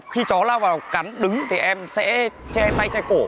khi cháu lao vào cắn đứng thì em sẽ che tay che cổ